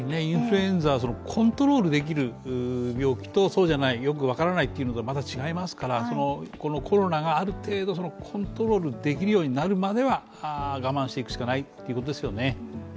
インフルエンザは、コントロールできる病気と、そうじゃない、よく分からないというのではまた違いますから、コロナがある程度コントロールできるようになるまでは我慢していくしかないということですよね。